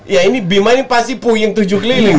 ya ini bima ini pasti puing tujuh keliling